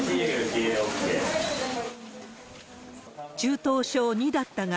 中等症２だったが、